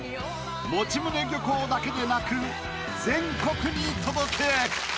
用宗漁港だけでなく全国に届け！